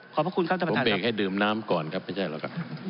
พระคุณครับท่านประธานเบรกให้ดื่มน้ำก่อนครับไม่ใช่หรอกครับ